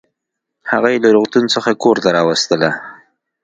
هغه يې له روغتون څخه کورته راوستله